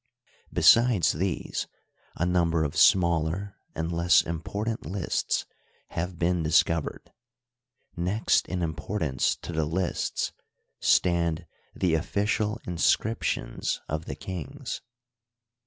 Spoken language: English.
Besides these a number of smaller and less important lists have been discovered. Next in importance to the lists stand the official inscrip^ tions of the kings.